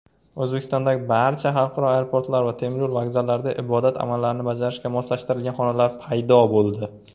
Oʻzbekistondagi barcha xalqaro aeroportlar va temiryoʻl vokzallarida ibodat amallarini bajarishga moslashtirilgan xonalar paydo boʻldi.